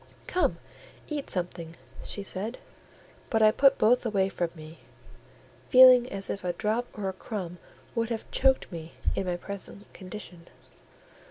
"Come, eat something," she said; but I put both away from me, feeling as if a drop or a crumb would have choked me in my present condition.